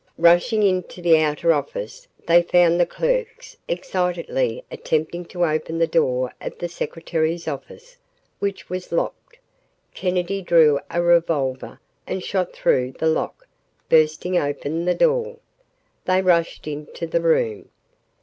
Rushing into the outer office, they found the clerks excitedly attempting to open the door of the secretary's office which was locked. Kennedy drew a revolver and shot through the lock, bursting open the door. They rushed into the room.